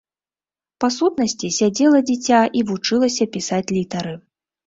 Па сутнасці, сядзела дзіця і вучылася пісаць літары.